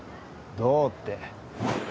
どうって。